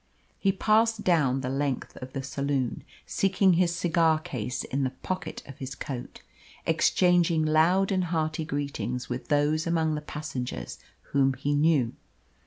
He passed down the length of the saloon, seeking his cigar case in the pocket of his coat, exchanging loud and hearty greetings with those among the passengers whom he knew.